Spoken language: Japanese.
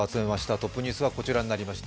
トップニュースはこちらになりました。